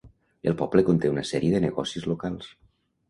El poble conté una sèrie de negocis locals.